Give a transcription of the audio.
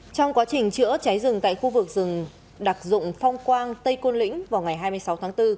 trong quá trình chữa cháy rừng tại khu vực rừng đặc dụng phong quang tây côn lĩnh vào ngày hai mươi sáu tháng bốn